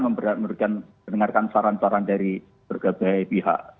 mendengarkan saran saran dari berbagai pihak